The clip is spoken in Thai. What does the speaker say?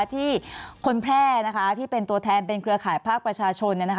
ที่คนแพร่นะคะที่เป็นตัวแทนเป็นเครือข่ายภาคประชาชน